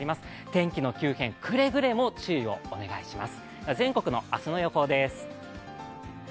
天気の急変、くれぐれも注意をお願いします。